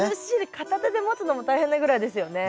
片手で持つのも大変なぐらいですよね。